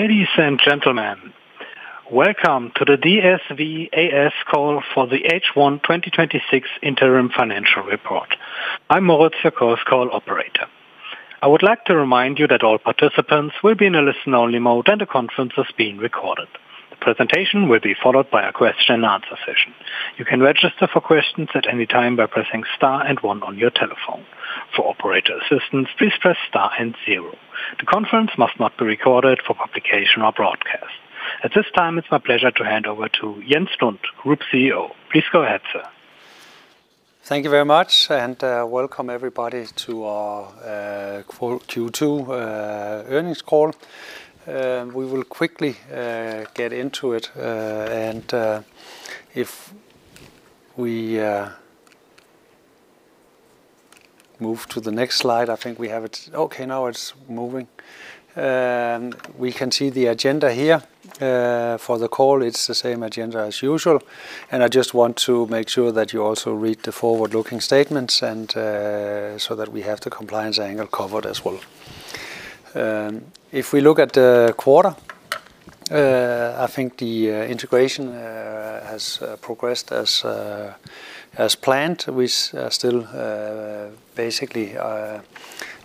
Ladies and gentlemen, welcome to the DSV A/S call for the H1 2026 interim financial report. I'm Moritz, your Chorus Call operator. I would like to remind you that all participants will be in a listen-only mode, and the conference is being recorded. The presentation will be followed by a question-and-answer session. You can register for questions at any time by pressing star and one on your telephone. For operator assistance, please press star and zero. The conference must not be recorded for publication or broadcast. At this time, it's my pleasure to hand over to Jens Lund, Group CEO. Please go ahead, sir. Thank you very much, and welcome everybody to our Q2 earnings call. We will quickly get into it. If we move to the next slide, I think we have it. Okay, now it's moving. We can see the agenda here. For the call, it's the same agenda as usual. I just want to make sure that you also read the forward-looking statements. So that we have the compliance angle covered as well. If we look at the quarter, I think the integration has progressed as planned. We're still basically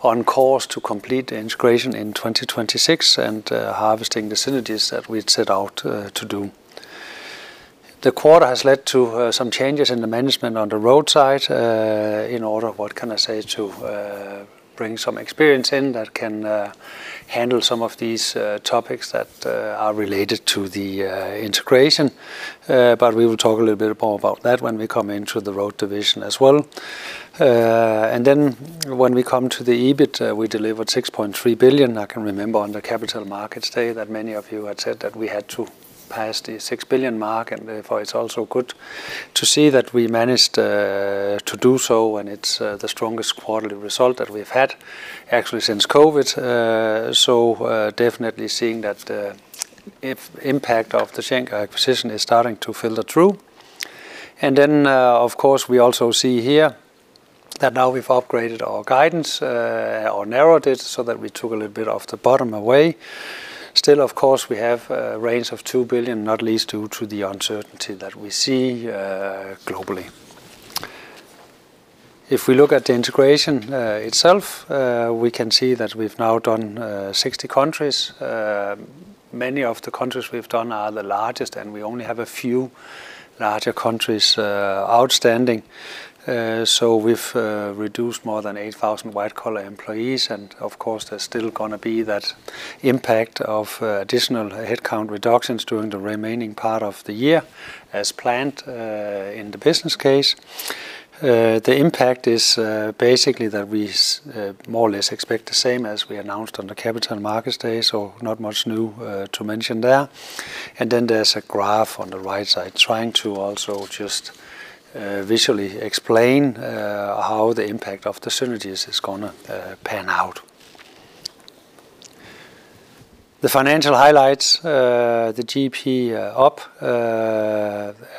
on course to complete the integration in 2026. Harvesting the synergies that we'd set out to do. The quarter has led to some changes in the management on the Road side, in order, what can I say, to bring some experience in that can handle some of these topics that are related to the integration. We will talk a little bit more about that when we come into the Road division as well. When we come to the EBIT, we delivered 6.3 billion. I can remember on the Capital Markets Day that many of you had said that we had to pass the 6 billion mark. Therefore, it's also good to see that we managed to do so. It's the strongest quarterly result that we've had actually since COVID. Definitely seeing that the impact of the Schenker acquisition is starting to filter through. Of course, we also see here that now we've upgraded our guidance or narrowed it so that we took a little bit of the bottom away. Still, of course, we have a range of 2 billion, not least due to the uncertainty that we see globally. If we look at the integration itself, we can see that we've now done 60 countries. Many of the countries we've done are the largest. We only have a few larger countries outstanding. We've reduced more than 8,000 white-collar employees. Of course, there's still going to be that impact of additional headcount reductions during the remaining part of the year as planned in the business case. The impact is basically that we more or less expect the same as we announced on the Capital Markets Day. Not much new to mention there. There's a graph on the right side trying to also just visually explain how the impact of the synergies is going to pan out. The financial highlights, the GP up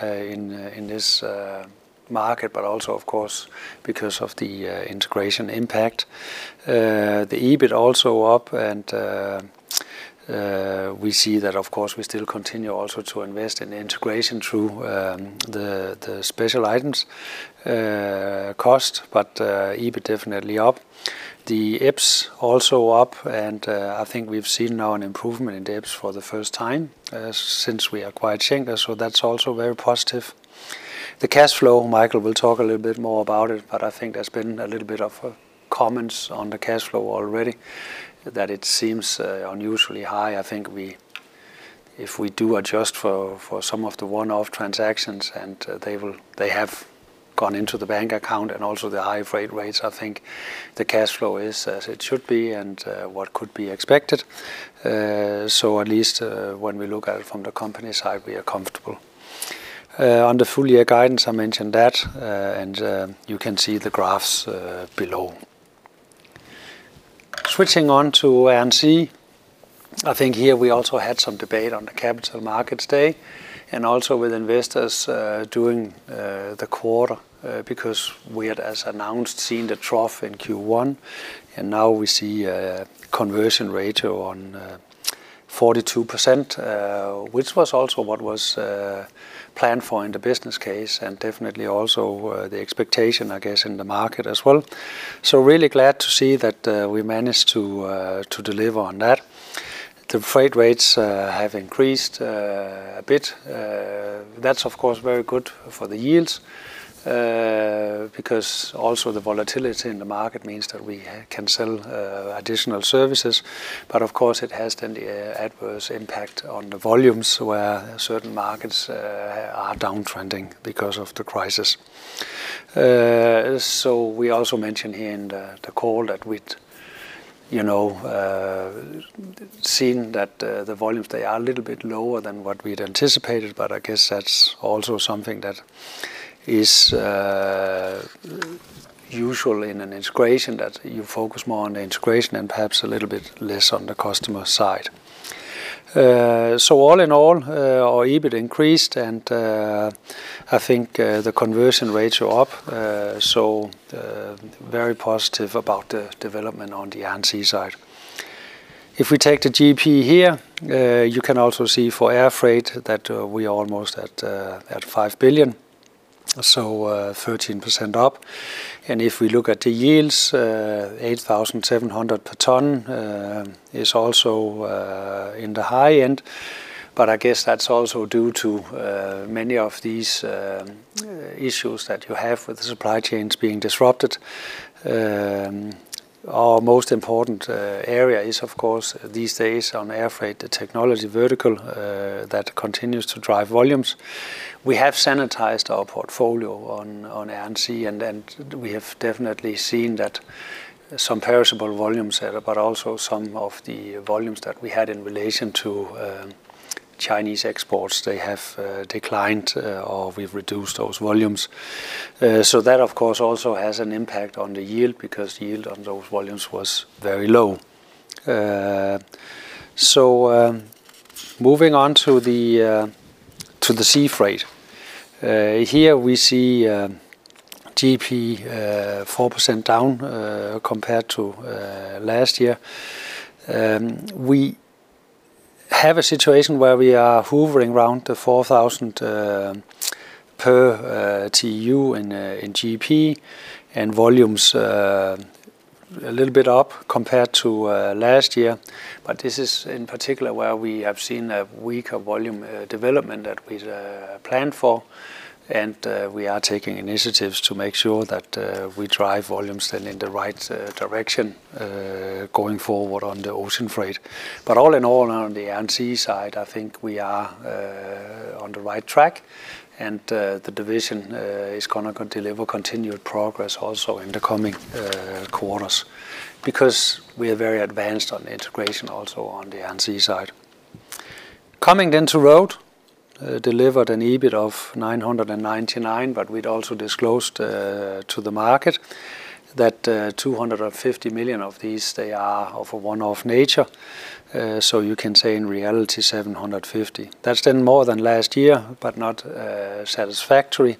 in this market but also, of course, because of the integration impact. EBIT also up and we see that, of course, we still continue also to invest in integration through the special items cost. EBIT definitely up. EPS also up, I think we've seen now an improvement in EPS for the first time since we acquired Schenker, that's also very positive. The cash flow, Michael will talk a little bit more about it, I think there's been a little bit of comments on the cash flow already that it seems unusually high. I think if we do adjust for some of the one-off transactions and they have gone into the bank account and also the high freight rates, I think the cash flow is as it should be and what could be expected. At least when we look at it from the company side, we are comfortable. On the full-year guidance, I mentioned that, you can see the graphs below. Switching on to A&S. I think here we also had some debate on the Capital Markets Day and also with investors during the quarter, because we had, as announced, seen the trough in Q1, now we see a conversion ratio on 42%, which was also what was planned for in the business case definitely also the expectation, I guess, in the market as well. Really glad to see that we managed to deliver on that. The freight rates have increased a bit. That's, of course, very good for the yields, because also the volatility in the market means that we can sell additional services. Of course, it has then the adverse impact on the volumes, where certain markets are downtrending because of the crisis. We also mentioned here in the call that we'd seen that the volumes, they are a little bit lower than what we'd anticipated, I guess that's also something that is usual in an integration, you focus more on the integration perhaps a little bit less on the customer side. All in all, our EBIT increased I think the conversion rates are up, very positive about the development on the Air & Sea side. If we take the GP here, you can also see for Air Freight that we are almost at 5 billion, 13% up. If we look at the yields, 8,700 per ton is also in the high end. I guess that's also due to many of these issues that you have with the supply chains being disrupted. Our most important area is, of course, these days on Air Freight, the technology vertical that continues to drive volumes. We have sanitized our portfolio on Air & Sea, we have definitely seen that some perishable volumes there, also some of the volumes that we had in relation to Chinese exports, they have declined or we've reduced those volumes. That, of course, also has an impact on the yield because the yield on those volumes was very low. Moving on to the Sea Freight. Here we see GP 4% down compared to last year. We have a situation where we are hovering around the 4,000 per TU in GP, volumes a little bit up compared to last year. This is in particular where we have seen a weaker volume development that we'd planned for. We are taking initiatives to make sure that we drive volumes then in the right direction going forward on the Ocean Freight. All in all, on the Air & Sea side, I think we are on the right track and the division is going to deliver continued progress also in the coming quarters because we are very advanced on integration also on the Air & Sea side. Coming then to Road, delivered an EBIT of 999 million. We'd also disclosed to the market that 250 million of these, they are of a one-off nature. You can say in reality, 750 million. That's then more than last year, but not satisfactory.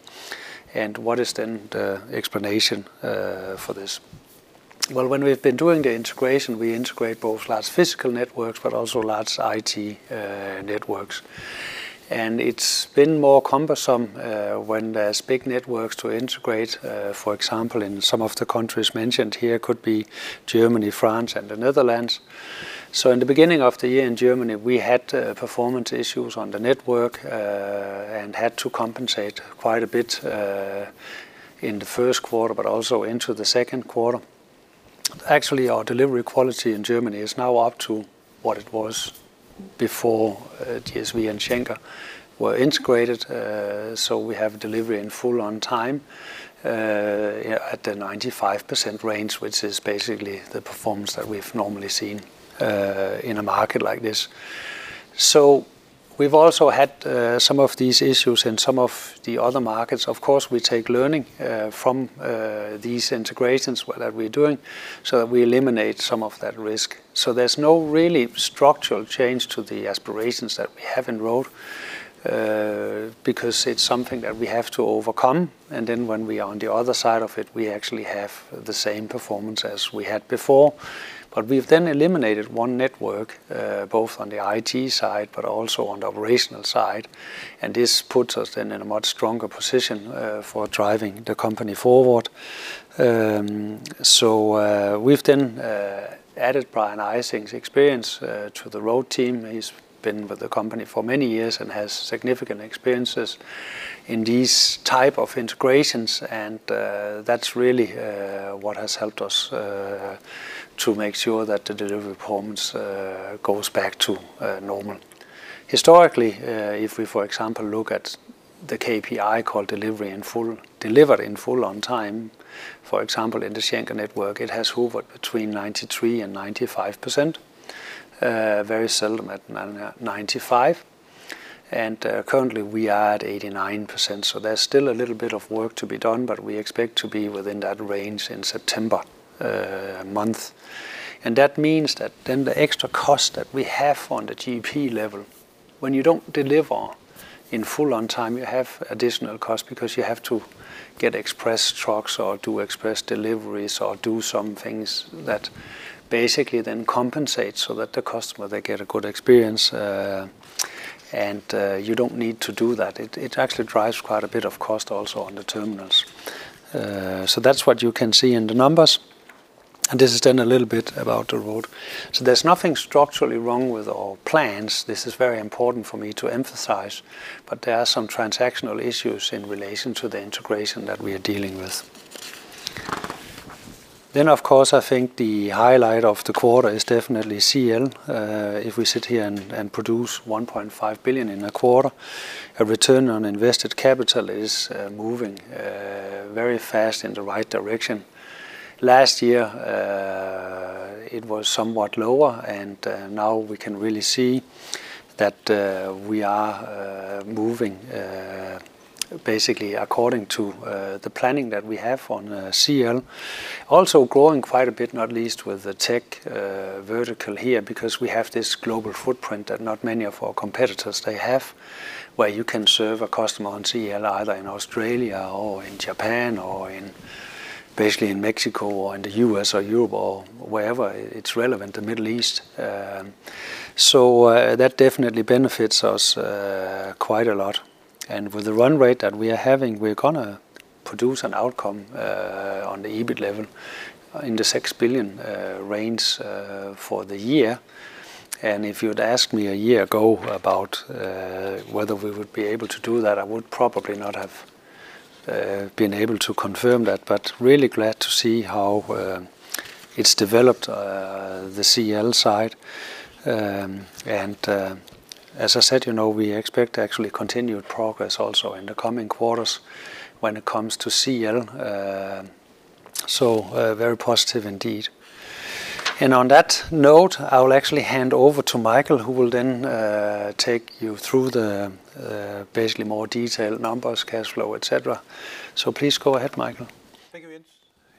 What is then the explanation for this? When we've been doing the integration, we integrate both large physical networks, but also large IT networks. It's been more cumbersome when there's big networks to integrate. For example, in some of the countries mentioned here, could be Germany, France, and the Netherlands. In the beginning of the year in Germany, we had performance issues on the network and had to compensate quite a bit in the first quarter but also into the second quarter. Actually, our delivery quality in Germany is now up to what it was before DSV and Schenker were integrated. We have delivery in full on time at the 95% range, which is basically the performance that we've normally seen in a market like this. We've also had some of these issues in some of the other markets. Of course, we take learning from these integrations that we're doing so that we eliminate some of that risk. There's no really structural change to the aspirations that we have in Road, because it's something that we have to overcome. When we are on the other side of it, we actually have the same performance as we had before. We've then eliminated one network, both on the IT side, but also on the operational side. This puts us then in a much stronger position for driving the company forward. We've then added Brian Ejsing's experience to the Road team. He's been with the company for many years and has significant experiences in these type of integrations. That's really what has helped us to make sure that the delivery performance goes back to normal. Historically, if we, for example, look at the KPI called delivered in full on time, for example, in the Schenker network, it has hovered between 93% and 95%, very seldom at 95%. Currently, we are at 89%, so there's still a little bit of work to be done, but we expect to be within that range in September month. That means that then the extra cost that we have on the GP level, when you don't deliver in full on time, you have additional cost because you have to get express trucks or do express deliveries or do some things that basically then compensate so that the customer, they get a good experience. You don't need to do that. It actually drives quite a bit of cost also on the terminals. That's what you can see in the numbers. This is a little bit about the Road. There's nothing structurally wrong with our plans. This is very important for me to emphasize, but there are some transactional issues in relation to the integration that we are dealing with. Of course, I think the highlight of the quarter is definitely CL. If we sit here and produce 1.5 billion in a quarter, a return on invested capital is moving very fast in the right direction. Last year, it was somewhat lower, and now we can really see that we are moving basically according to the planning that we have on CL. Growing quite a bit, not least with the tech vertical here, because we have this global footprint that not many of our competitors, they have, where you can serve a customer on CL either in Australia or in Japan or in Mexico or in the U.S. or Europe or wherever it's relevant, the Middle East. That definitely benefits us quite a lot. With the run-rate that we are having, we're going to produce an outcome on the EBIT level in the 6 billion range for the year. If you would've asked me a year ago about whether we would be able to do that, I would probably not have been able to confirm that, but really glad to see how it's developed, the CL side. As I said, we expect actually continued progress also in the coming quarters when it comes to CL. Very positive indeed. On that note, I will actually hand over to Michael, who will then take you through the more detailed numbers, cash flow, et cetera. Please go ahead, Michael. Thank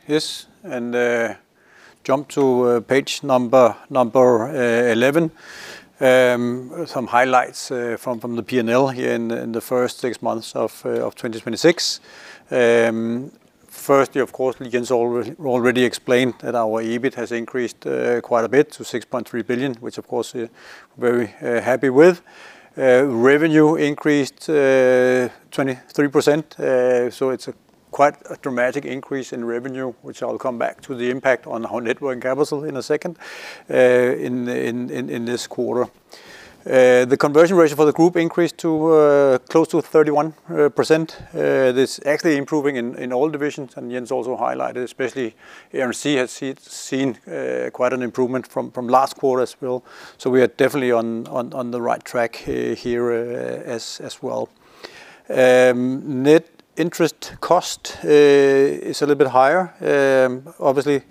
you, Jens. Jump to page 11. Some highlights from the P&L here in the first six months of 2026. Of course, Jens already explained that our EBIT has increased quite a bit to 6.3 billion, which, of course, we're very happy with. Revenue increased 23%, it's quite a dramatic increase in revenue, which I'll come back to the impact on our net working capital in a second, in this quarter. The conversion rate for the group increased to close to 31%. This actually improving in all divisions, and Jens also highlighted, especially Air & Sea has seen quite an improvement from last quarter as well. We are definitely on the right track here as well. Net interest cost is a little bit higher. Obviously,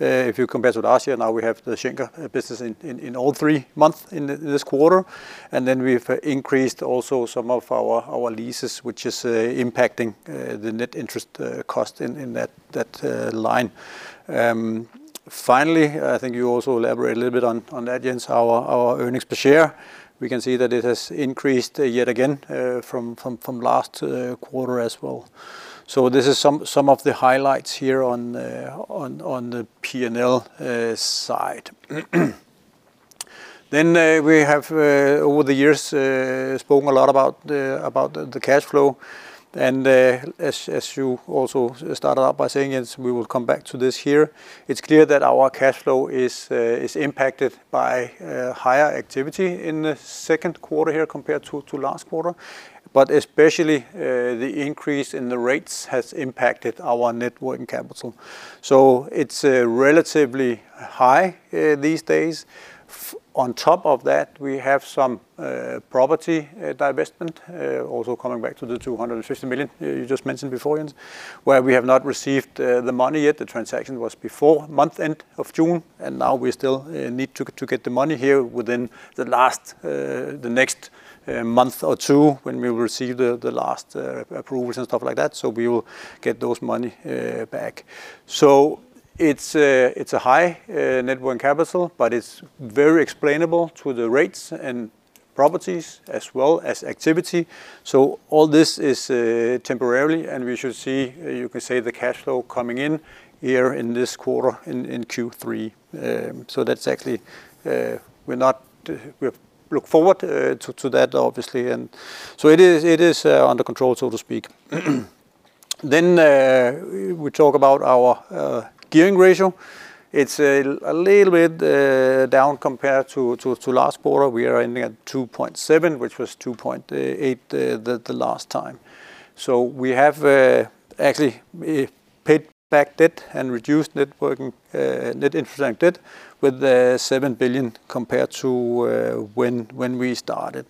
if you compare to last year, now we have the Schenker business in all three months in this quarter, and then we've increased also some of our leases, which is impacting the net interest cost in that line. Finally, I think you also elaborate a little bit on that, Jens, our earnings per share. We can see that it has increased yet again, from last quarter as well. This is some of the highlights here on the P&L side. We have, over the years, spoken a lot about the cash flow and, as you also started out by saying, Jens, we will come back to this here. It is clear that our cash flow is impacted by higher activity in the second quarter here compared to last quarter, but especially, the increase in the rates has impacted our net working capital. It is relatively high these days. On top of that, we have some property divestment. Also coming back to the 250 million you just mentioned before, Jens, where we have not received the money yet. The transaction was before month end of June, and now we still need to get the money here within the next month or two when we will receive the last approvals and stuff like that. We will get those money back. It is a high net working capital, but it is very explainable to the rates and properties as well as activity. All this is temporarily, and we should see, you can say, the cash flow coming in here in this quarter, in Q3. That is actually, we look forward to that, obviously, and it is under control, so to speak. We talk about our gearing ratio. It is a little bit down compared to last quarter. We are ending at 2.7x, which was 2.8x the last time. We have actually paid back debt and reduced net interest-bearing debt with 7 billion compared to when we started.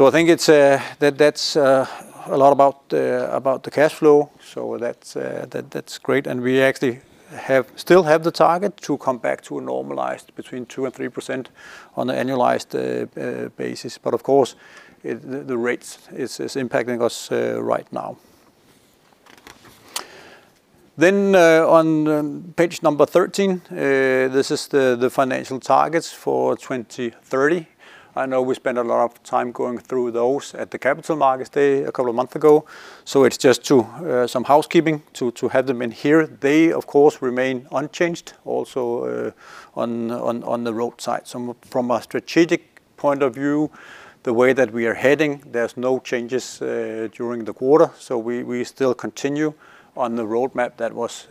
I think that is a lot about the cash flow. That is great, and we actually still have the target to come back to a normalized between 2%-3% on the annualized basis. Of course, the rates is impacting us right now. On page number 13, this is the financial targets for 2030. I know we spent a lot of time going through those at the Capital Markets Day a couple of months ago, so it is just some housekeeping to have them in here. They, of course, remain unchanged also on the Road side. From a strategic point of view, the way that we are heading, there is no changes during the quarter, we still continue on the roadmap that was,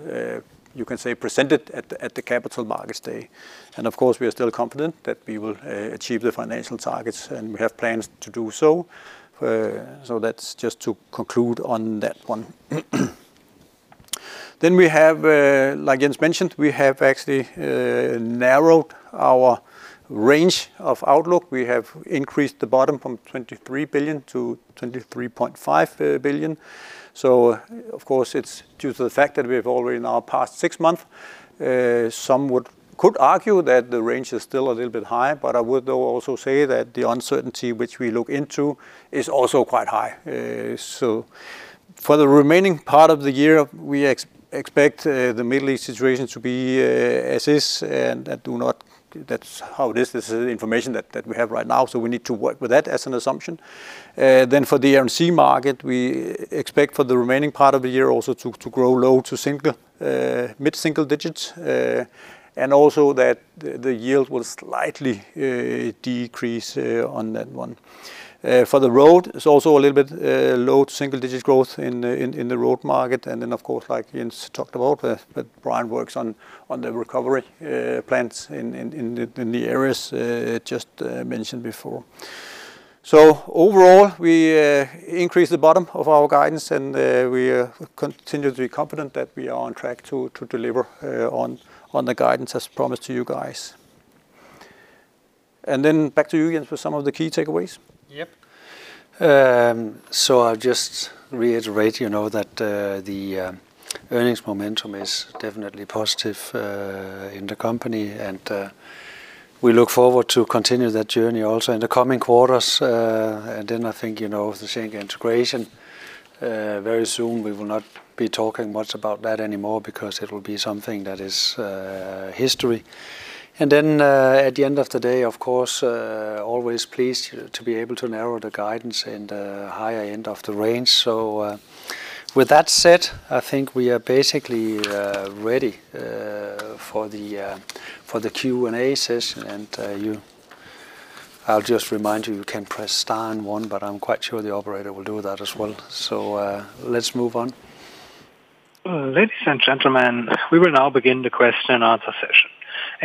you can say, presented at the Capital Markets Day. Of course, we are still confident that we will achieve the financial targets, and we have plans to do so. That is just to conclude on that one. We have, like Jens mentioned, we have actually narrowed our range of outlook. We have increased the bottom from 23 billion to 23.5 billion. Of course, it is due to the fact that we have already now passed six months. Some could argue that the range is still a little bit high, I would though also say that the uncertainty which we look into is also quite high. For the remaining part of the year, we expect the Middle East situation to be as is, and that's how it is. This is information that we have right now. We need to work with that as an assumption. For the Air & Sea market, we expect for the remaining part of the year also to grow low to mid-single digits. Also that the yield will slightly decrease on that one. For the Road, it's also a little bit low single-digit growth in the Road market, and then, of course, like Jens talked about, Brian works on the recovery plans in the areas just mentioned before. Overall, we increase the bottom of our guidance, and we continue to be confident that we are on track to deliver on the guidance as promised to you guys. Back to you, Jens, for some of the key takeaways. Yep. I'll just reiterate that the earnings momentum is definitely positive in the company, and we look forward to continue that journey also in the coming quarters. I think, the Schenker integration, very soon we will not be talking much about that anymore because it will be something that is history. At the end of the day, of course, always pleased to be able to narrow the guidance in the higher end of the range. With that said, I think we are basically ready for the Q&A session. I'll just remind you can press star and one, but I'm quite sure the operator will do that as well. Let's move on. Ladies and gentlemen, we will now begin the question-and-answer session.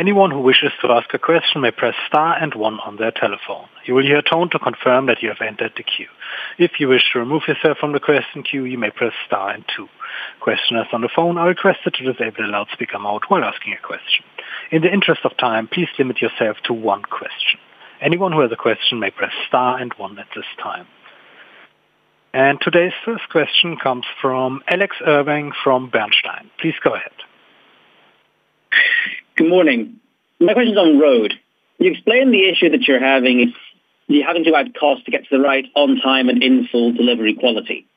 Anyone who wishes to ask a question may press star and one on their telephone. You will hear a tone to confirm that you have entered the queue. If you wish to remove yourself from the question queue, you may press star and two. Questioners on the phone are requested to disable the loudspeaker mode when asking a question. In the interest of time, please limit yourself to one question. Anyone who has a question may press star and one at this time. Today's first question comes from Alex Irving from Bernstein. Please go ahead. Good morning. My question is on Road. You explained the issue that you're having is you're having to add cost to get to the right on time and in-full delivery quality.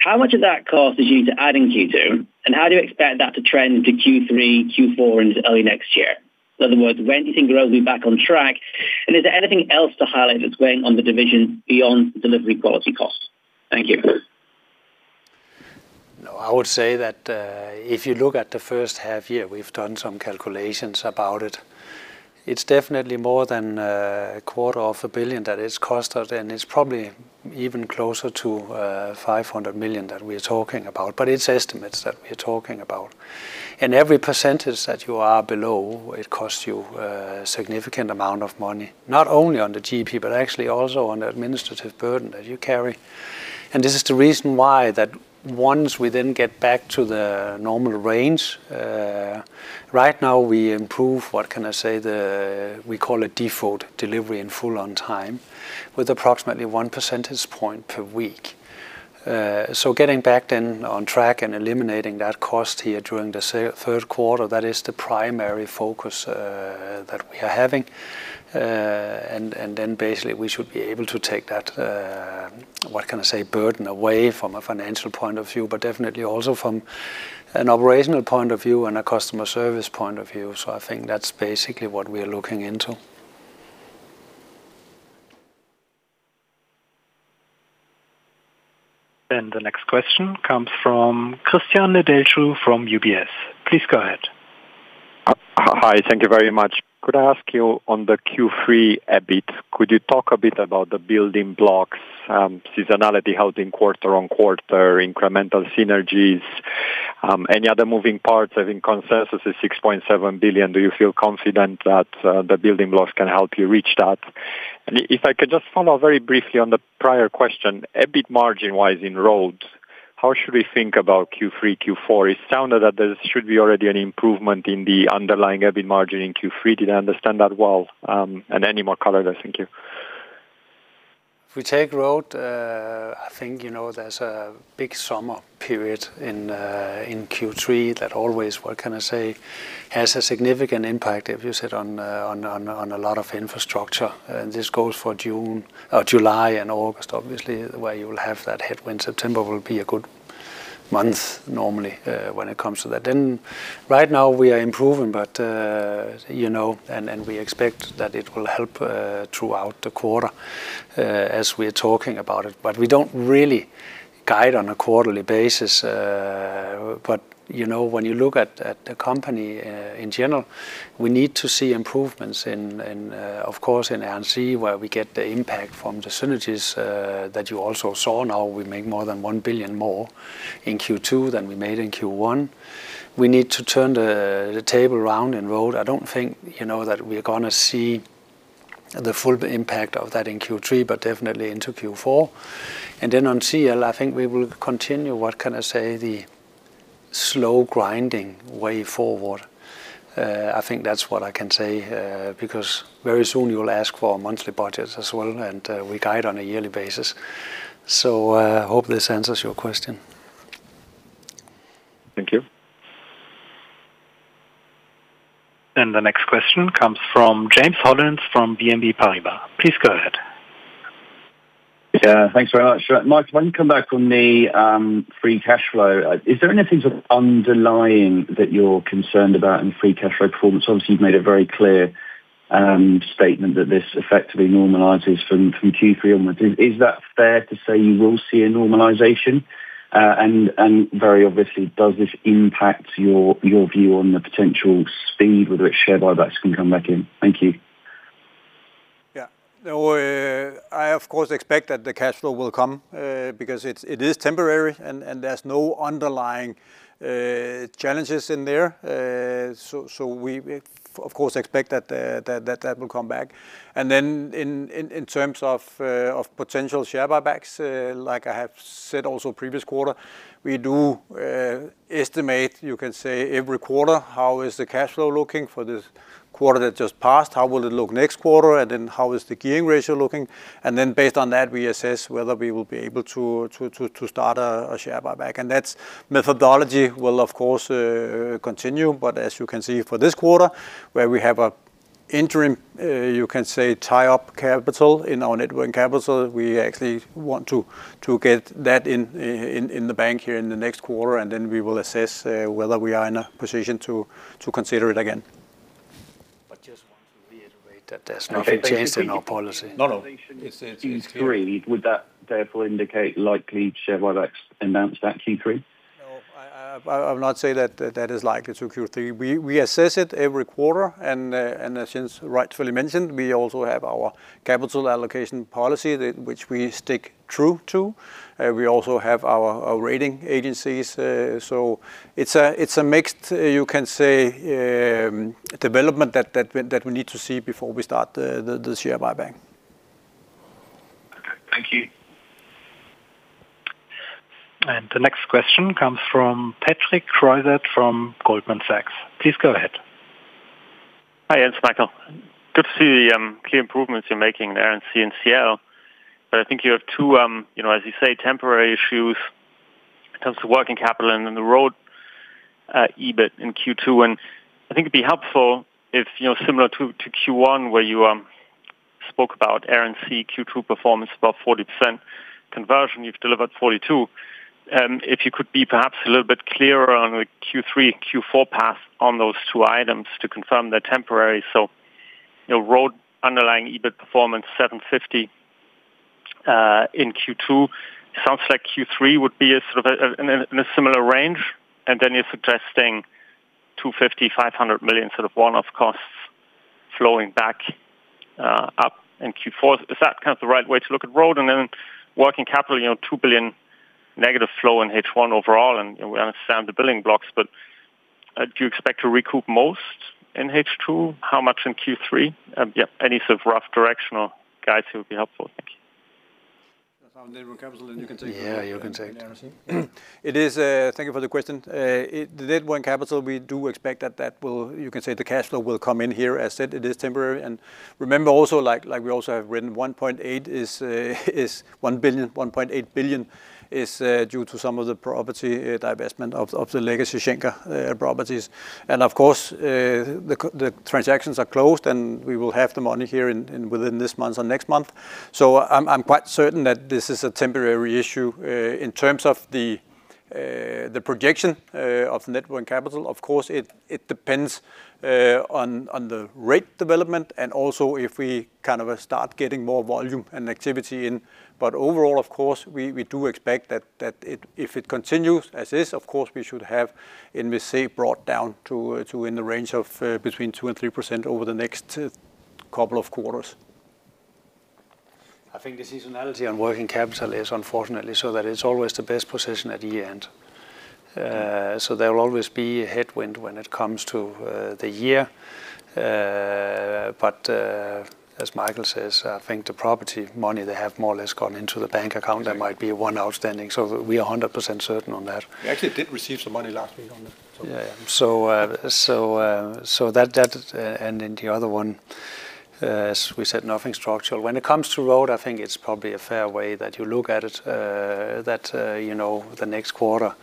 How much of that cost did you add in Q2, and how do you expect that to trend into Q3, Q4, into early next year? In other words, when do you think Road will be back on track, and is there anything else to highlight that's going on in the division beyond delivery quality costs? Thank you. I would say that if you look at the first half year, we've done some calculations about it. It's definitely more than a quarter of a billion that it's cost us, and it's probably even closer to 500 million that we're talking about, but it's estimates that we're talking about. Every percentage that you are below, it costs you a significant amount of money, not only on the GP, but actually also on the administrative burden that you carry. This is the reason why that once we then get back to the normal range, right now we improve, what can I say, we call it delivered in full on time with approximately 1 percentage point per week. Getting back then on track and eliminating that cost here during the third quarter, that is the primary focus that we are having. Basically we should be able to take that, what can I say, burden away from a financial point of view, but definitely also from an operational point of view and a customer service point of view. I think that's basically what we are looking into. The next question comes from Cristian Nedelcu from UBS. Please go ahead. Hi. Thank you very much. Could I ask you on the Q3 EBIT, could you talk a bit about the building blocks, seasonality held in quarter-on-quarter, incremental synergies, any other moving parts? I think consensus is 6.7 billion. Do you feel confident that the building blocks can help you reach that? If I could just follow very briefly on the prior question, EBIT margin-wise in Road, how should we think about Q3, Q4? It sounded that there should be already an improvement in the underlying EBIT margin in Q3. Did I understand that well? Any more color there. Thank you. If we take Road, I think there's a big summer period in Q3 that always, what can I say, has a significant impact if you sit on a lot of infrastructure. This goes for July and August, obviously, where you will have that headwind. September will be a good month normally, when it comes to that. Right now we are improving, and we expect that it will help throughout the quarter, as we're talking about it. We don't really guide on a quarterly basis. When you look at the company in general, we need to see improvements in, of course, in Air & Sea where we get the impact from the synergies that you also saw. Now we make more than 1 billion more in Q2 than we made in Q1. We need to turn the table around in Road. I don't think that we are going to see the full impact of that in Q3, but definitely into Q4. Then on CL, I think we will continue, what can I say, the slow grinding way forward. I think that's what I can say, because very soon you'll ask for monthly budgets as well, and we guide on a yearly basis. I hope this answers your question. Thank you. The next question comes from James Hollins from BNP Paribas. Please go ahead. Yeah, thanks very much. Michael, why don't you come back on the free cash flow. Is there anything sort of underlying that you're concerned about in free cash flow performance? Obviously, you've made a very clear statement that this effectively normalizes from Q3 onwards. Is that fair to say you will see a normalization? Very obviously, does this impact your view on the potential speed, whether it's share buybacks can come back in? Thank you. Yeah. I, of course, expect that the cash flow will come, because it is temporary, and there's no underlying challenges in there. We, of course, expect that will come back. In terms of potential share buybacks, like I have said also previous quarter, we do estimate, you can say every quarter, how is the cash flow looking for this quarter that just passed? How will it look next quarter? How is the gearing ratio looking? Based on that, we assess whether we will be able to start a share buyback. That methodology will, of course, continue, but as you can see for this quarter, where we have an interim, you can say tie up capital in our network capital. We actually want to get that in the bank here in the next quarter, and then we will assess whether we are in a position to consider it again. Just want to reiterate that there's nothing changed in our policy. No, no. Q3, would that therefore indicate likely share buybacks announced at Q3? No. I would not say that is likely to Q3. We assess it every quarter, and as Jens rightfully mentioned, we also have our capital allocation policy that which we stick true to. We also have our rating agencies. It's a mixed, you can say, development that we need to see before we start the share buyback. Okay. Thank you. The next question comes from Patrick Creuset from Goldman Sachs. Please go ahead. Hi, Jens, Michael. Good to see the clear improvements you're making there in Air &Sea and CL, but I think you have two, as you say, temporary issues in terms of working capital and then the Road EBIT in Q2. I think it'd be helpful if, similar to Q1 where you spoke about Air & Sea Q2 performance, about 40% conversion, you've delivered 42%. If you could be perhaps a little bit clearer on the Q3 and Q4 path on those two items to confirm they're temporary. Road underlying EBIT performance 750 million in Q2. It sounds like Q3 would be in a sort of similar range, then you're suggesting 250 million-500 million sort of one-off costs flowing back up in Q4. Is that kind of the right way to look at Road? Then working capital, 2 billion negative flow in H1 overall, we understand the billing blocks, do you expect to recoup most in H2? How much in Q3? Yeah. Any sort of rough directional guides will be helpful. Thank you. That's on net working capital, you can take Yeah, you can take on the Air & Sea. Thank you for the question. The net working capital, we do expect that that will, you can say the cash flow will come in here. As said, it is temporary. Remember also, like we also have written, 1.8 billion is due to some of the property divestment of the legacy Schenker properties. The transactions are closed, and we will have the money here within this month or next month. I'm quite certain that this is a temporary issue. In terms of the projection of net working capital, of course, it depends on the rate development and also if we start getting more volume and activity in. Overall, of course, we do expect that if it continues as is, of course, we should have NWC brought down to in the range of between 2% and 3% over the next couple of quarters. I think the seasonality on working capital is unfortunately so that it's always the best position at the end. There will always be a headwind when it comes to the year. As Michael says, I think the property money they have more or less gone into the bank account. There might be one outstanding. We are 100% certain on that. We actually did receive some money last week. The other one, as we said, nothing structural. When it comes to Road, I think it's probably a fair way that you look at it, that the next quarter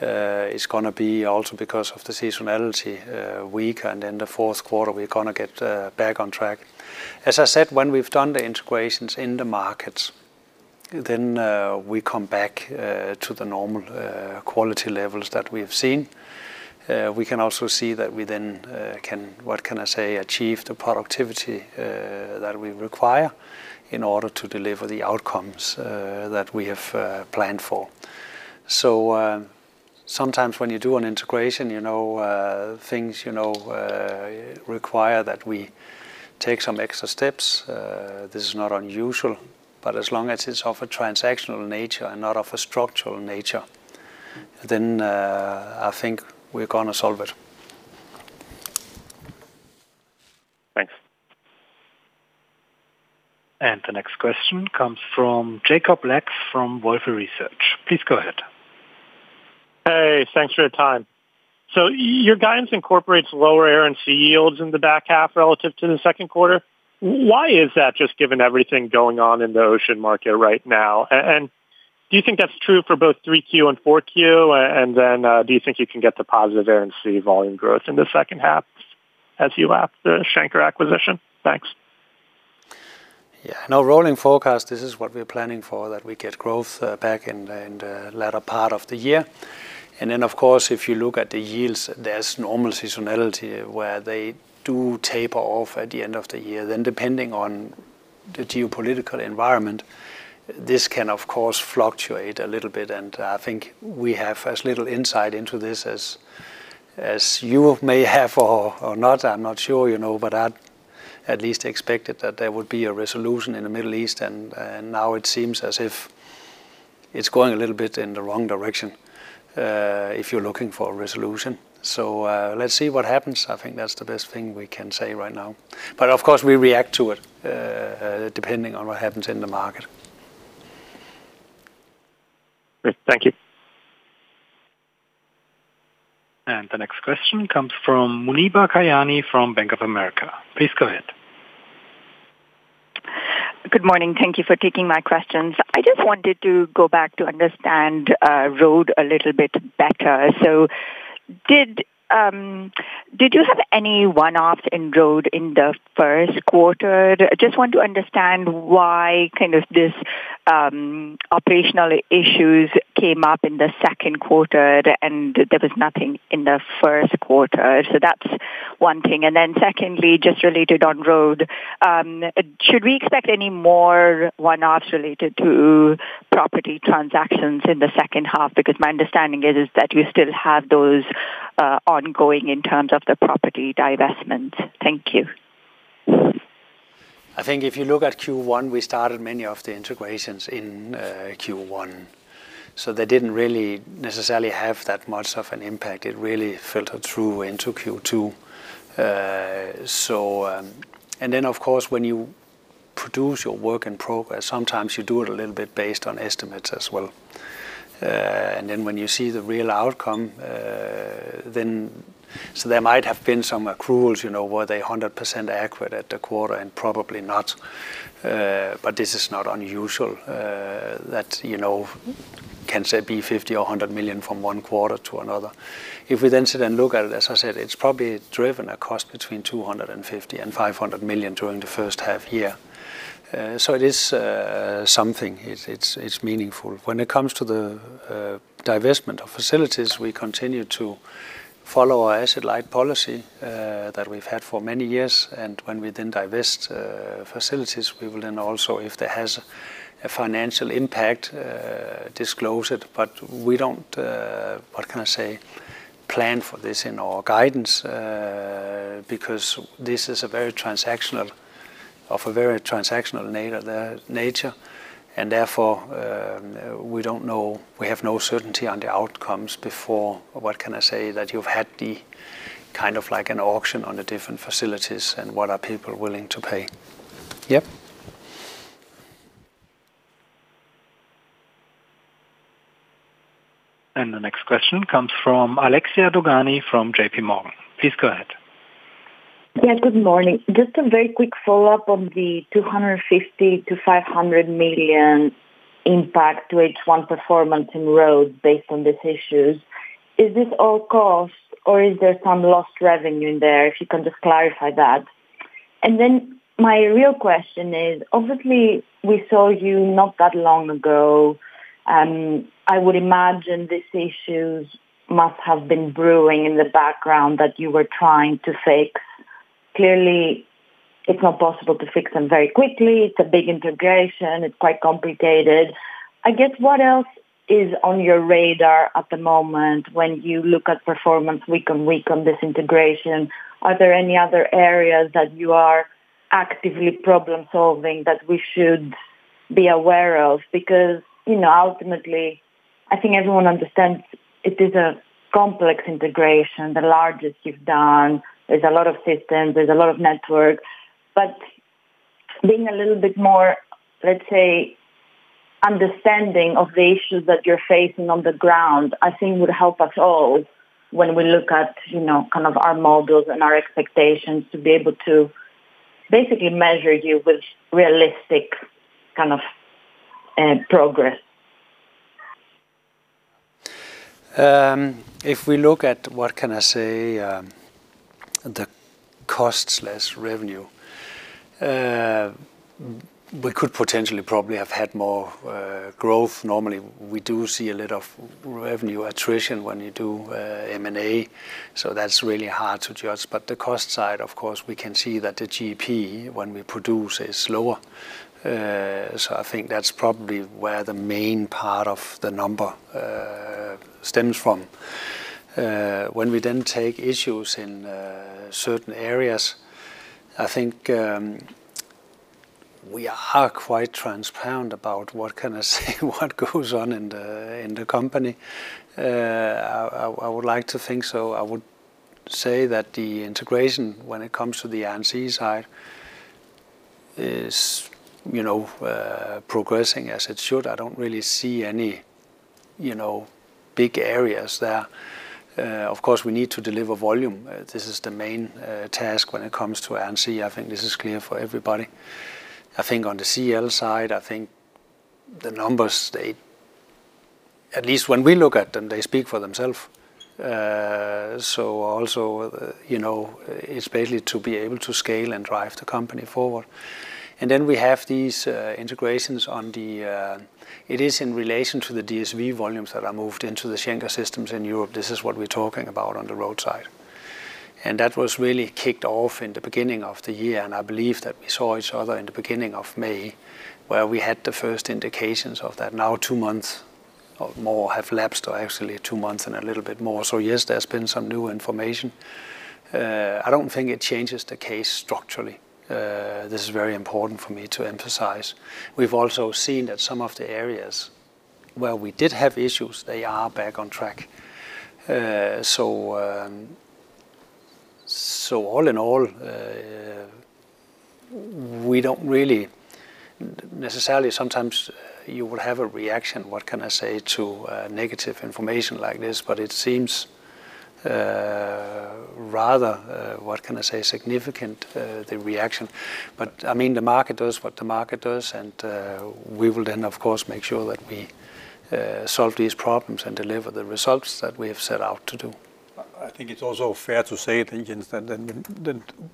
is going to be also because of the seasonality, weaker. The fourth quarter we're going to get back on track. As I said, when we've done the integrations in the markets, then we come back to the normal quality levels that we have seen. We can also see that we then can, what can I say, achieve the productivity that we require in order to deliver the outcomes that we have planned for. Sometimes when you do an integration, things require that we take some extra steps. This is not unusual, as long as it's of a transactional nature and not of a structural nature, I think we're going to solve it. Thanks. The next question comes from Jacob Lacks from Wolfe Research. Please go ahead. Hey, thanks for your time. Your guidance incorporates lower Air & Sea yields in the back half relative to the second quarter. Why is that just given everything going on in the ocean market right now? Do you think that's true for both Q3 and Q4? Do you think you can get the positive currency volume growth in the second half as you lap the Schenker acquisition? Thanks. Yeah. No rolling forecast. This is what we're planning for, that we get growth back in the latter part of the year. Of course, if you look at the yields, there's normal seasonality where they do taper off at the end of the year. Depending on the geopolitical environment, this can of course fluctuate a little bit, and I think we have as little insight into this as you may have or not, I'm not sure. I at least expected that there would be a resolution in the Middle East, and now it seems as if it's going a little bit in the wrong direction, if you're looking for a resolution. Let's see what happens. I think that's the best thing we can say right now. Of course, we react to it, depending on what happens in the market. Great. Thank you. The next question comes from Muneeba Kayani from Bank of America. Please go ahead. Good morning. Thank you for taking my questions. I just wanted to go back to understand Road a little bit better. Did you have any one-offs in Road in the first quarter? Just want to understand why these operational issues came up in the second quarter, and there was nothing in the first quarter. That's one thing. Secondly, just related on Road, should we expect any more one-offs related to property transactions in the second half? Because my understanding is that you still have those ongoing in terms of the property divestment. Thank you. If you look at Q1, we started many of the integrations in Q1, so they didn't really necessarily have that much of an impact. It really filtered through into Q2. Of course, when you produce your work in progress, sometimes you do it a little bit based on estimates as well. When you see the real outcome, there might have been some accruals. Were they 100% accurate at the quarter? Probably not, but this is not unusual. That can, say, be 50 million or 100 million from one quarter to another. As I said, it's probably driven a cost between 250 million and 500 million during the first half year. It is something. It's meaningful. When it comes to the divestment of facilities, we continue to follow our asset-light policy that we've had for many years. When we divest facilities, we will then also, if there has a financial impact, disclose it. We don't plan for this in our guidance, because this is of a very transactional nature, and therefore, we have no certainty on the outcomes before that you've had an auction on the different facilities and what are people willing to pay. Yep. The next question comes from Alexia Dogani from JPMorgan. Please go ahead. Good morning. Just a very quick follow-up on the 250 million-500 million impact to H1 performance in Road based on these issues. Is this all cost or is there some lost revenue in there? If you can just clarify that. My real question is, obviously, we saw you not that long ago, I would imagine these issues must have been brewing in the background that you were trying to fix. Clearly, it's not possible to fix them very quickly. It's a big integration. It's quite complicated. I guess, what else is on your radar at the moment when you look at performance week-on-week on this integration? Are there any other areas that you are actively problem-solving that we should be aware of? Ultimately, I think everyone understands it is a complex integration, the largest you've done. There's a lot of systems, there's a lot of networks. Being a little bit more, let's say, understanding of the issues that you're facing on the ground, I think would help us all when we look at our models and our expectations to be able to basically measure you with realistic kind of progress. If we look at, what can I say? The costs less revenue, we could potentially probably have had more growth. Normally, we do see a lot of revenue attrition when you do M&A, so that's really hard to judge. The cost side, of course, we can see that the GP, when we produce, is slower. I think that's probably where the main part of the number stems from. When we take issues in certain areas, I think we are quite transparent about, what can I say? What goes on in the company. I would like to think so. I would say that the integration, when it comes to the Air & Sea side is progressing as it should. I don't really see any big areas there. Of course, we need to deliver volume. This is the main task when it comes to Air & Sea. I think this is clear for everybody. I think on the CL side, I think the numbers, at least when we look at them, they speak for themselves. Also, it's basically to be able to scale and drive the company forward. We have these integrations, it is in relation to the DSV volumes that are moved into the Schenker systems in Europe. This is what we're talking about on the Road side. That was really kicked off in the beginning of the year, and I believe that we saw each other in the beginning of May, where we had the first indications of that. Now two months or more have lapsed, or actually two months and a little bit more. Yes, there's been some new information. I don't think it changes the case structurally. This is very important for me to emphasize. We've also seen that some of the areas where we did have issues, they are back on track. All in all, we don't really necessarily, sometimes you would have a reaction, what can I say, to negative information like this, but it seems rather, what can I say, significant, the reaction. The market does what the market does, and we will then, of course, make sure that we solve these problems and deliver the results that we have set out to do. I think it's also fair to say,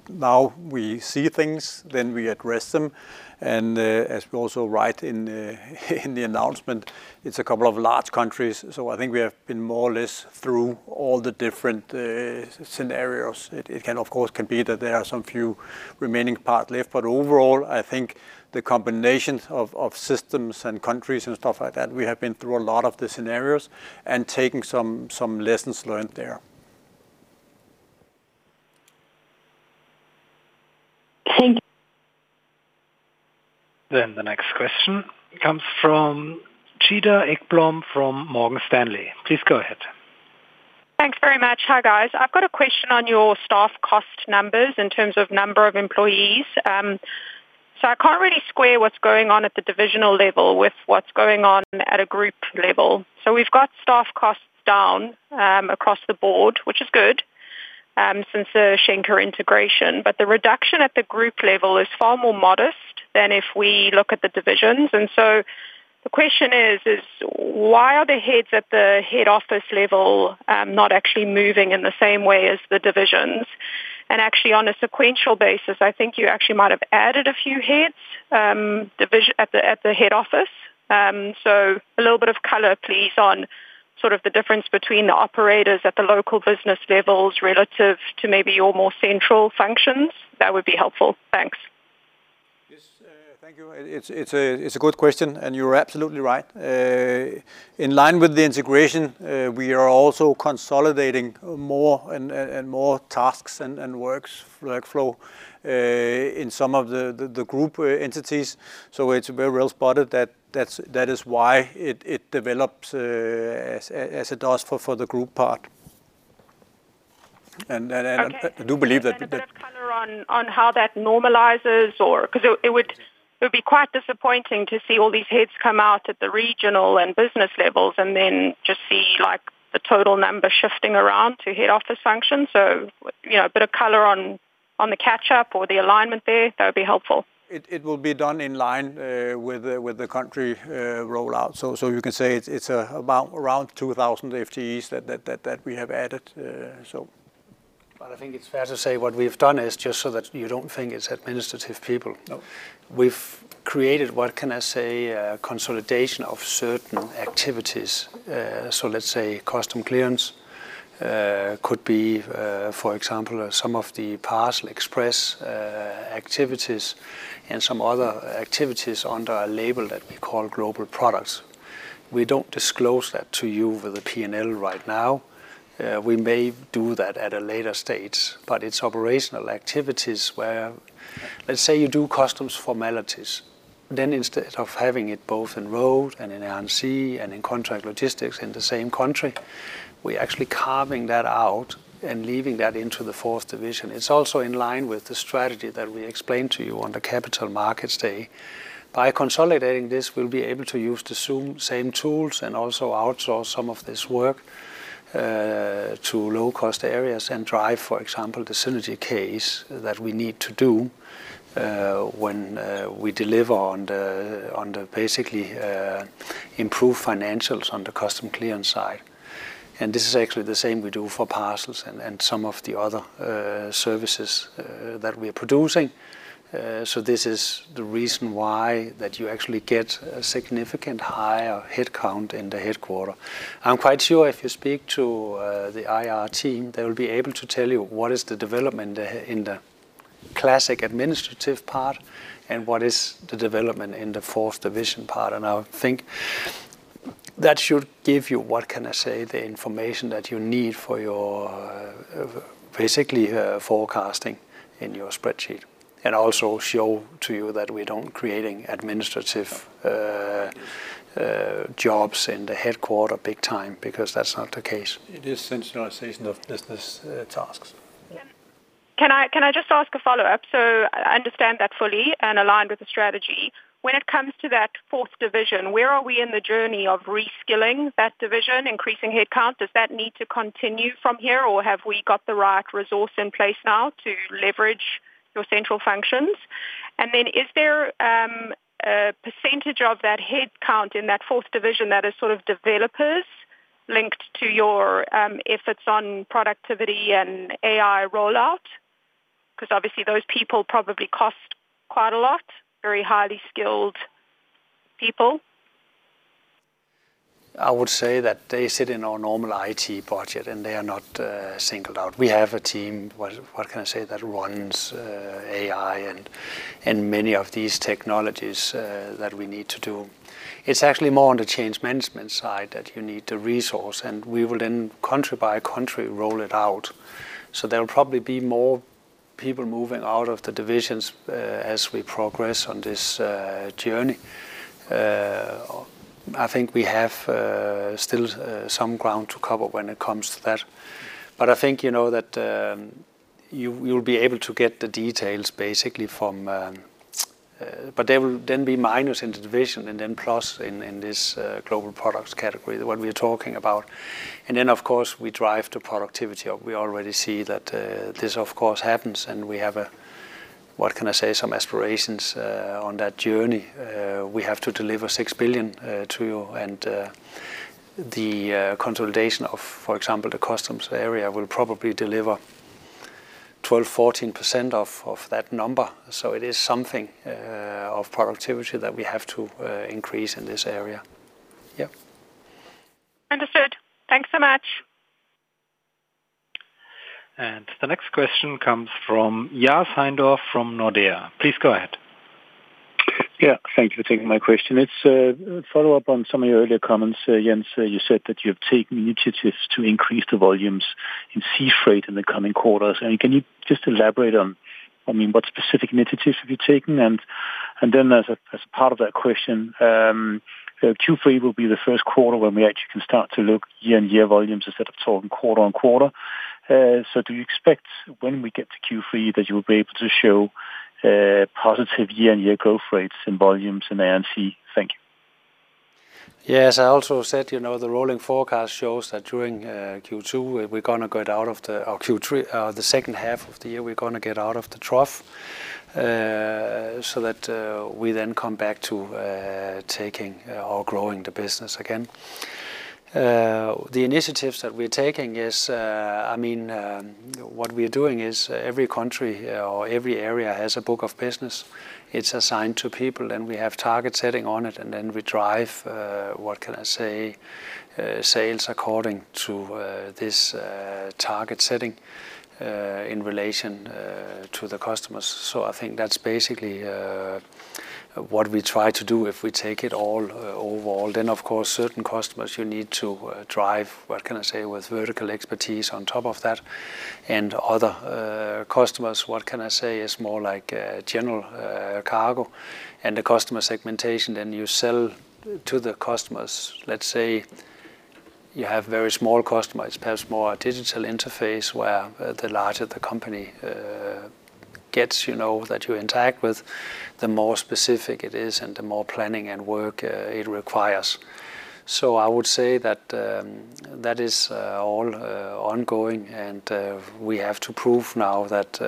now we see things, we address them. As we also write in the announcement, it's a couple of large countries, I think we have been more or less through all the different scenarios. It can, of course, be that there are some few remaining parts left, overall, I think the combinations of systems and countries and stuff like that, we have been through a lot of the scenarios and taken some lessons learned there. Thank you. The next question comes from Cedar Ekblom from Morgan Stanley. Please go ahead. Thanks very much. Hi, guys. I've got a question on your staff cost numbers in terms of number of employees. I can't really square what's going on at the divisional level with what's going on at a group level. We've got staff costs down across the board, which is good, since the Schenker integration, but the reduction at the group level is far more modest than if we look at the divisions. The question is why are the heads at the head office level not actually moving in the same way as the divisions? Actually, on a sequential basis, I think you actually might have added a few heads at the head office. A little bit of color, please, on sort of the difference between the operators at the local business levels relative to maybe your more central functions. That would be helpful. Thanks. Yes. Thank you. It's a good question, and you're absolutely right. In line with the integration, we are also consolidating more and more tasks and workflow in some of the group entities. It's very well spotted. That is why it develops as it does for the group part. Okay. A bit of color on how that normalizes or, because it would be quite disappointing to see all these heads come out at the regional and business levels and then just see the total number shifting around to head office functions. A bit of color on the catch-up or the alignment there, that would be helpful. It will be done in line with the country rollout. You can say it's around 2,000 FTEs that we have added. I think it's fair to say what we've done is, just so that you don't think it's administrative people. No. We've created, what can I say, a consolidation of certain activities. Let's say custom clearance could be, for example, some of the parcel express activities and some other activities under a label that we call Global Products. We don't disclose that to you with the P&L right now. We may do that at a later date, but it's operational activities where, let's say you do customs formalities. Instead of having it both in Road and in Air & Sea and in Contract Logistics in the same country, we're actually carving that out and leaving that into the fourth division. It's also in line with the strategy that we explained to you on the Capital Markets Day. By consolidating this, we'll be able to use the same tools and also outsource some of this work to low-cost areas and drive, for example, the synergy case that we need to do when we deliver on the, basically, improved financials on the custom clearance side. This is actually the same we do for parcels and some of the other services that we're producing. This is the reason why that you actually get a significant higher headcount in the headquarter. I'm quite sure if you speak to the IR team, they will be able to tell you what is the development in the classic administrative part and what is the development in the fourth division part. I think that should give you, what can I say, the information that you need for your, basically, forecasting in your spreadsheet. Also show to you that we don't creating administrative jobs in the headquarter big time, because that's not the case. It is centralization of business tasks. Yeah, can I just ask a follow-up? I understand that fully and aligned with the strategy. When it comes to that fourth division, where are we in the journey of reskilling that division, increasing headcount? Does that need to continue from here, or have we got the right resource in place now to leverage your central functions? Is there a percentage of that headcount in that fourth division that is sort of developers linked to your efforts on productivity and AI rollout? Because obviously those people probably cost quite a lot, very highly skilled people. I would say that they sit in our normal IT budget and they are not singled out. We have a team, what can I say, that runs AI and many of these technologies that we need to do. It's actually more on the change management side that you need to resource, and we will then country by country, roll it out. There'll probably be more people moving out of the divisions as we progress on this journey. I think we have still some ground to cover when it comes to that. I think, you'll be able to get the details basically from There will then be minus in division and then plus in this Global Products category, the one we are talking about. Of course, we drive to productivity. We already see that this of course happens and we have, what can I say, some aspirations on that journey. We have to deliver 6 billion to you and the consolidation of, for example, the customs area will probably deliver 12%-14% of that number. It is something of productivity that we have to increase in this area. Yep. Understood. Thanks so much. The next question comes from Lars Heindorff from Nordea. Please go ahead. Thank you for taking my question. It's a follow-up on some of your earlier comments. Jens, you said that you've taken initiatives to increase the volumes in sea freight in the coming quarters. Can you just elaborate on, I mean, what specific initiatives have you taken? As part of that question, Q3 will be the first quarter when we actually can start to look year-on-year volumes instead of talking quarter-on-quarter. Do you expect when we get to Q3 that you'll be able to show positive year-on-year growth rates and volumes in Air & Sea? Thank you. Yes, I also said, the rolling forecast shows that during Q2, we are going to get out of the or Q3, the second half of the year, we're going to get out of the trough, so that we then come back to taking or growing the business again. The initiatives that we are taking is, what we are doing is every country or every area has a book of business. It's assigned to people, and we have target setting on it, and then we drive, what can I say? Sales according to this target setting in relation to the customers. I think that's basically what we try to do if we take it all overall. Of course, certain customers you need to drive, what can I say? With vertical expertise on top of that. Other customers, what can I say? It is more like general cargo and the customer segmentation, you sell to the customers. Let's say you have very small customers, perhaps more digital interface, where the larger the company gets that you interact with, the more specific it is and the more planning and work it requires. I would say that is all ongoing and we have to prove now that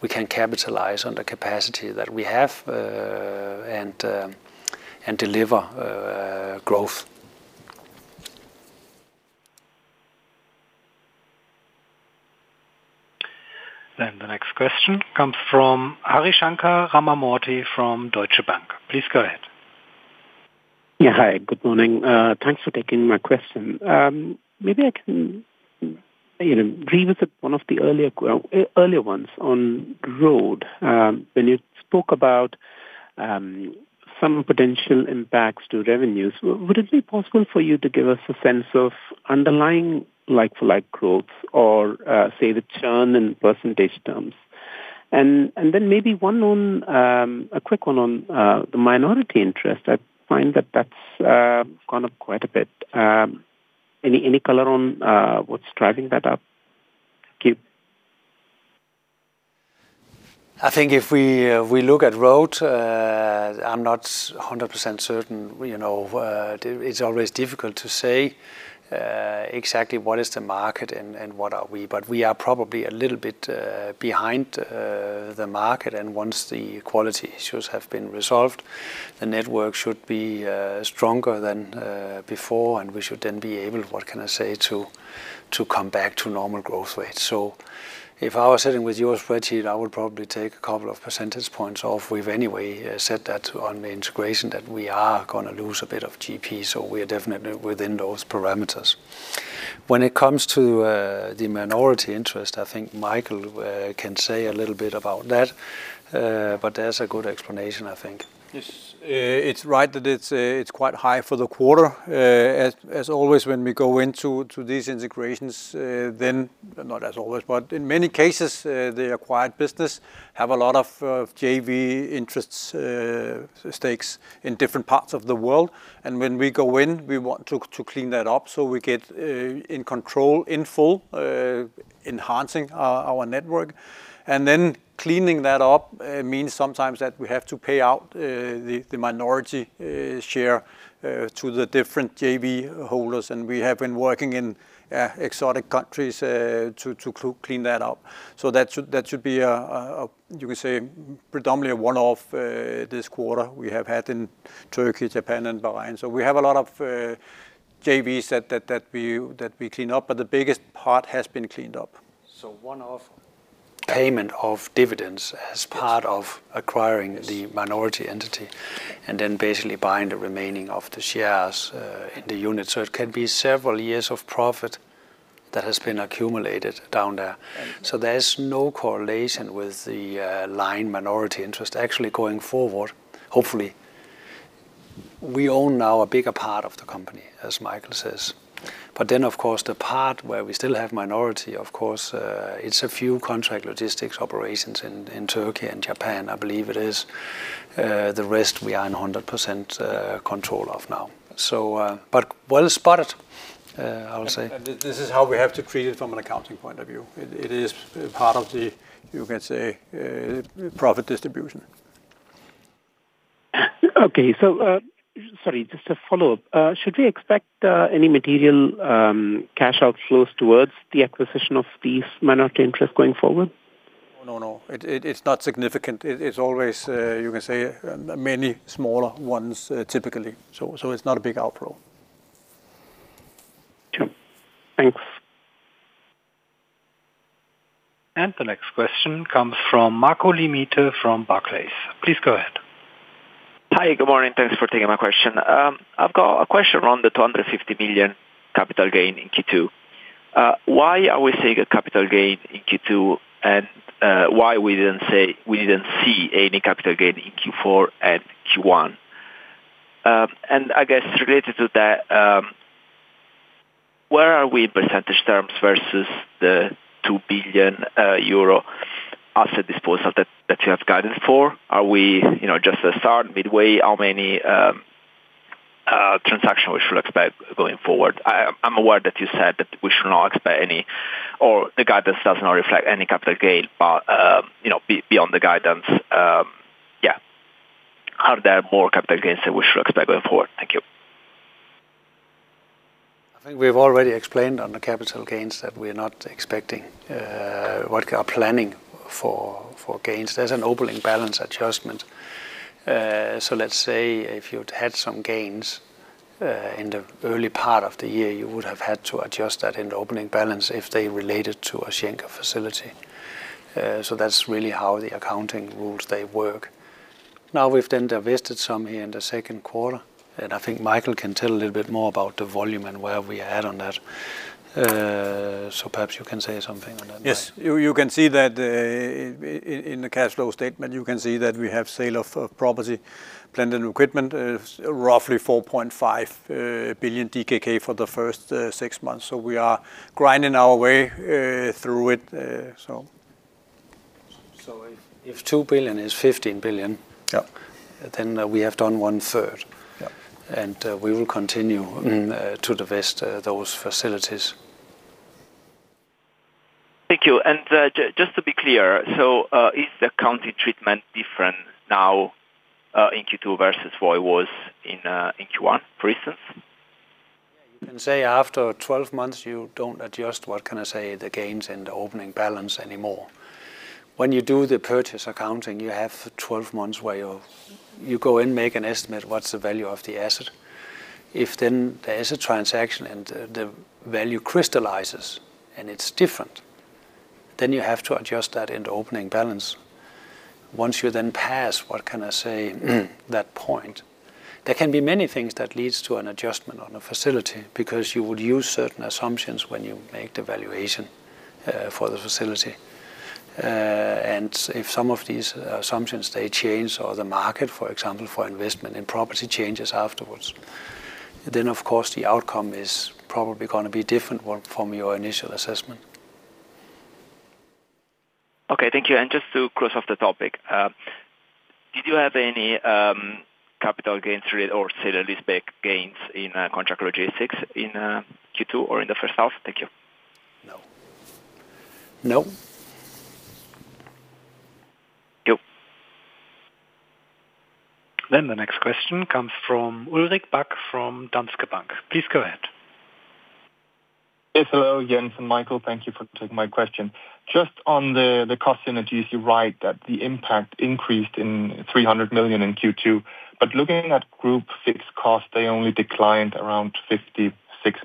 we can capitalize on the capacity that we have and deliver growth. The next question comes from Harishankar Ramamoorthy from Deutsche Bank. Please go ahead. Yeah. Hi, good morning. Thanks for taking my question. Maybe I can revisit one of the earlier ones on Road. When you spoke about some potential impacts to revenues, would it be possible for you to give us a sense of underlying like-for-like growth or, say, the churn in percentage terms? Maybe a quick one on the minority interest. I find that that's gone up quite a bit. Any color on what's driving that up? Thank you. I think if we look at Road, I'm not 100% certain. It's always difficult to say exactly what is the market and what are we. We are probably a little bit behind the market, once the quality issues have been resolved, the network should be stronger than before, we should then be able, what can I say? To come back to normal growth rates. If I was sitting with your spreadsheet, I would probably take a couple of percentage points off. We've anyway said that on the integration that we are going to lose a bit of GP, we are definitely within those parameters. When it comes to the minority interest, I think Michael can say a little bit about that. There's a good explanation, I think. Yes. It's right that it's quite high for the quarter. As always, when we go into these integrations, not as always, but in many cases, the acquired business have a lot of JV interests stakes in different parts of the world. When we go in, we want to clean that up so we get in control in full, enhancing our network. Cleaning that up means sometimes that we have to pay out the minority share to the different JV holders. We have been working in exotic countries to clean that up. That should be a, you can say predominantly a one-off this quarter we have had in Turkey, Japan, and Bahrain. We have a lot of JVs that we clean up, but the biggest part has been cleaned up. One-off payment of dividends as part of acquiring the minority entity, and then basically buying the remaining of the shares in the unit. It can be several years of profit that has been accumulated down there. Yeah. There's no correlation with the line minority interest. Actually going forward, hopefully, we own now a bigger part of the company, as Michael says. Of course, the part where we still have minority, of course, it's a few Contract Logistics operations in Turkey and Japan, I believe it is. The rest we are in 100% control of now. Well spotted, I would say. This is how we have to treat it from an accounting point of view. It is part of the, you can say, profit distribution. Okay. Sorry, just a follow-up. Should we expect any material cash outflows towards the acquisition of these minority interests going forward? No. It is not significant. It's always, you can say, many smaller ones typically. It's not a big outflow. Sure. Thanks. The next question comes from Marco Limite from Barclays. Please go ahead. Hi. Good morning. Thanks for taking my question. I've got a question around the 250 million capital gain in Q2. Why are we seeing a capital gain in Q2, why we didn't see any capital gain in Q4 and Q1? I guess related to that, where are we in percentage terms versus the 2 billion euro asset disposal that you have guided for? Are we just the start, midway? How many transactions we should expect going forward? I'm aware that you said that we should not expect any, or the guidance does not reflect any capital gain. Beyond the guidance, are there more capital gains that we should expect going forward? Thank you. I think we've already explained on the capital gains that we're not expecting what we are planning for gains. There's an opening balance adjustment. Let's say if you'd had some gains, in the early part of the year, you would have had to adjust that in the opening balance if they related to a Schenker facility. That's really how the accounting rules they work. We've then divested some here in the second quarter, and I think Michael can tell a little bit more about the volume and where we are at on that. Perhaps you can say something on that. Yes. You can see that in the cash flow statement, you can see that we have sale of property, plant and equipment is roughly 4.5 billion DKK for the first six months. We are grinding our way through it. If 2 billion in 15 billion- Yeah we have done 1/3. Yeah. We will continue to divest those facilities. Thank you. Just to be clear, is the accounting treatment different now in Q2 versus what it was in Q1, for instance? Yeah, you can say after 12 months, you don't adjust, what can I say, the gains and the opening balance anymore. When you do the purchase accounting, you have 12 months where you go and make an estimate, what's the value of the asset? If there is a transaction and the value crystallizes and it's different, then you have to adjust that in the opening balance. Once you pass, what can I say, that point, there can be many things that leads to an adjustment on a facility because you would use certain assumptions when you make the valuation for the facility. If some of these assumptions they change or the market, for example, for investment in property changes afterwards, then of course the outcome is probably going to be different from your initial assessment. Okay, thank you. Just to close off the topic, did you have any capital gains trade or sale-leaseback gains in Contract Logistics in Q2 or in the first half? Thank you. No. No. Yep. The next question comes from Ulrik Bak from Danske Bank. Please go ahead. Yes, hello, Jens and Michael, thank you for taking my question. Just on the cost synergies, you write that the impact increased in 300 million in Q2, looking at group fixed costs, they only declined around 56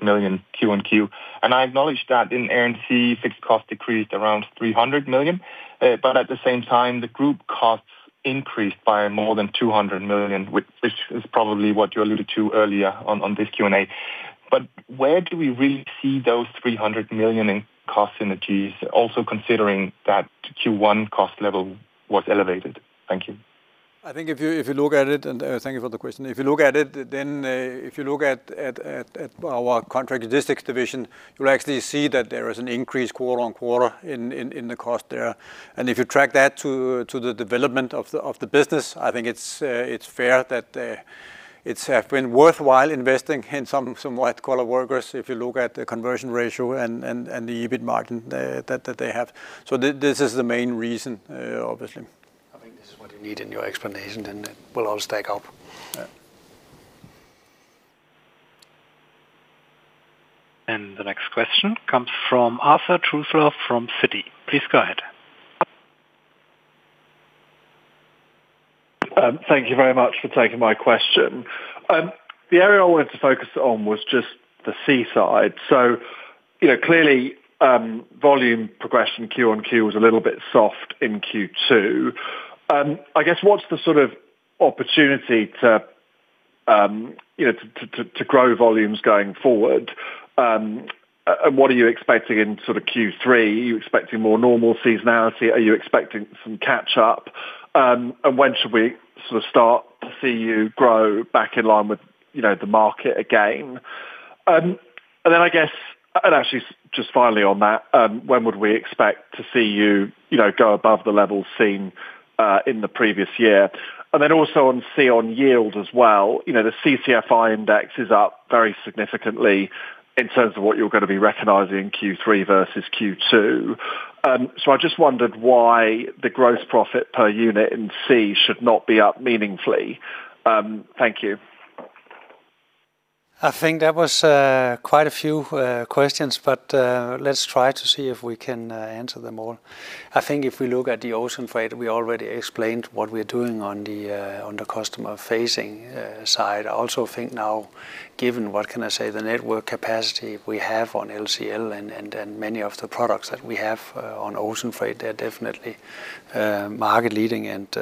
million Q-on-Q. I acknowledge that in Air & Sea, fixed costs decreased around 300 million. At the same time, the group costs increased by more than 200 million, which is probably what you alluded to earlier on this Q&A. Where do we really see those 300 million in cost synergies, also considering that Q1 cost level was elevated? Thank you. I think if you look at it, thank you for the question. If you look at it, if you look at our Contract Logistics division, you'll actually see that there is an increase quarter-on-quarter in the cost there. If you track that to the development of the business, I think it's fair that it's been worthwhile investing in some white-collar workers if you look at the conversion ratio and the EBIT margin that they have. This is the main reason, obviously. I think this is what you need in your explanation, then it will all stack up. Yeah. The next question comes from Arthur Truslove from Citi. Please go ahead. Thank you very much for taking my question. The area I wanted to focus on was just the Sea side. Clearly, volume progression Q-on-Q was a little bit soft in Q2. I guess, what's the sort of opportunity to grow volumes going forward? What are you expecting in Q3? Are you expecting more normal seasonality? Are you expecting some catch-up? When should we start to see you grow back in line with the market again? Then I guess, actually, just finally on that, when would we expect to see you go above the level seen, in the previous year? Then also on Sea on yield as well, the CCFI index is up very significantly in terms of what you're going to be recognizing Q3 versus Q2. I just wondered why the gross profit per unit in Sea should not be up meaningfully. Thank you. I think that was quite a few questions. Let's try to see if we can answer them all. If we look at the ocean freight, we already explained what we are doing on the customer-facing side. The network capacity we have on LCL and many of the products that we have on ocean freight, they are definitely market-leading and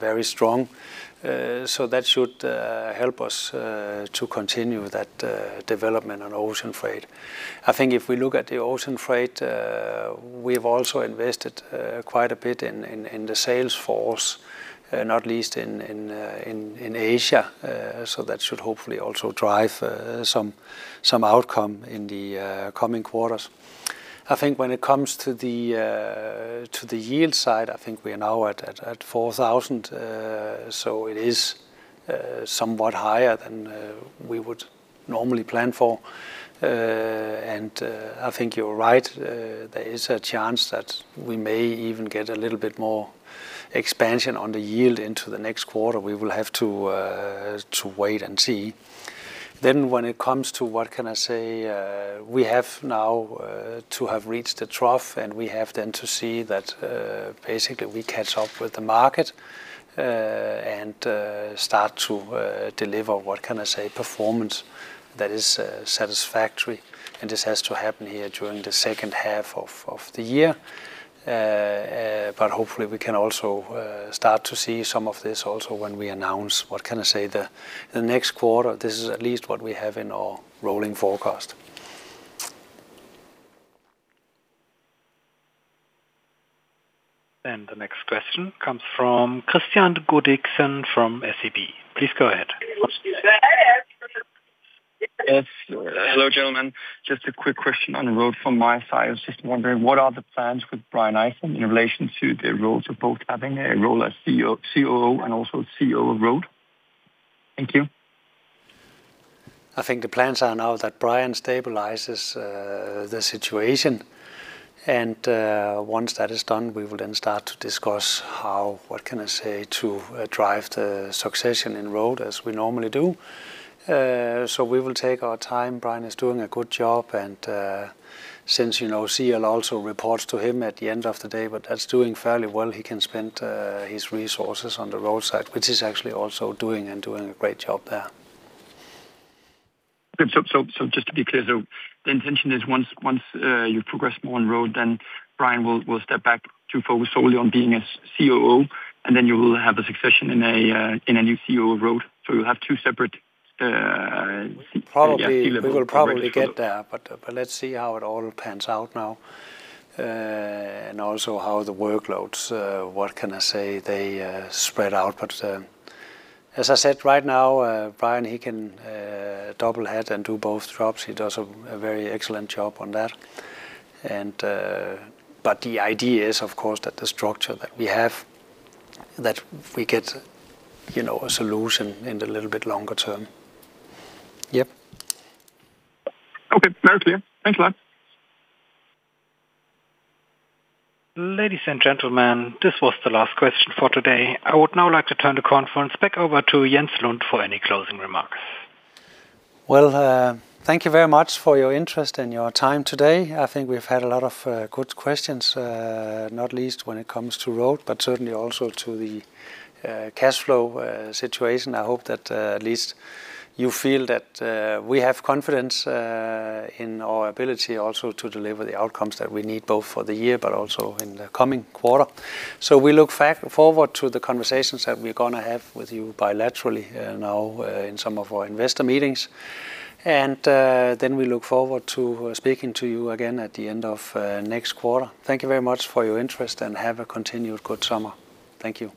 very strong. That should help us to continue that development on ocean freight. If we look at the ocean freight, we have also invested quite a bit in the sales force, not least in Asia. That should hopefully also drive some outcome in the coming quarters. When it comes to the yield side, we are now at 4,000 per TU, so it is somewhat higher than we would normally plan for. You are right, there is a chance that we may even get a little bit more expansion on the yield into the next quarter. We will have to wait and see. When it comes to we have now to have reached a trough, and we have to see that, basically, we catch up with the market, and start to deliver performance that is satisfactory. This has to happen here during the second half of the year. Hopefully we can also start to see some of this also when we announce the next quarter. This is at least what we have in our rolling forecast. The next question comes from Kristian Godiksen from SEB. Please go ahead. Yes. Hello, gentlemen. Just a quick question on Road from my side. I was just wondering, what are the plans with Brian Ejsing in relation to the roles of both having a role as COO and also COO of Road? Thank you. I think the plans are now that Brian stabilizes the situation. Once that is done, we will then start to discuss how, what can I say, to drive the succession in Road as we normally do. We will take our time. Brian is doing a good job and, since CL also reports to him at the end of the day, but that's doing fairly well, he can spend his resources on the Road side, which is actually also doing a great job there. Just to be clear, the intention is once you progress more on Road, then Brian will step back to focus solely on being a COO, and then you will have a succession in a new COO of Road. You'll have two separate C-level. We will probably get there, but let's see how it all pans out now. Also how the workloads, what can I say, they spread out. As I said right now, Brian, he can double hat and do both jobs. He does a very excellent job on that, but the idea is, of course, that the structure that we have, that we get a solution in the little bit longer term. Yep. Okay. Very clear. Thanks a lot. Ladies and gentlemen, this was the last question for today. I would now like to turn the conference back over to Jens Lund for any closing remarks. Well, thank you very much for your interest and your time today. I think we've had a lot of good questions, not least when it comes to Road, but certainly also to the cash flow situation. I hope that at least you feel that we have confidence in our ability also to deliver the outcomes that we need, both for the year but also in the coming quarter. We look forward to the conversations that we're going to have with you bilaterally now in some of our investor meetings. We look forward to speaking to you again at the end of next quarter. Thank you very much for your interest, and have a continued good summer. Thank you.